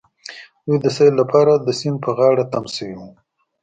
دوی د سيل لپاره د سيند په غاړه تم شوي وو.